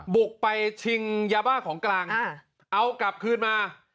บุกไปชิงยาบ้าของกลางเอากลับคืนมา